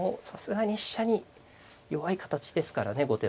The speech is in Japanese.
さすがに飛車に弱い形ですからね